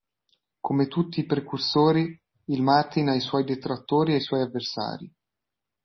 Come tutti i precursori, il Martin ha i suoi detrattori e i suoi avversari.